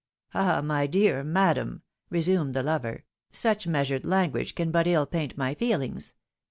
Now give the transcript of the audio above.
" Ah, my dear madam !" resumed the lover, " such mea sured language can but iU paint my feelings.